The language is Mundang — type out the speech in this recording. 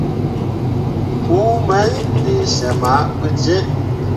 Huu main lee syem ah pǝjẽe.